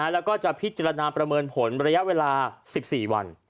แล้วก็จะพิจารณาประเมินผลระยะเวลา๑๔วัน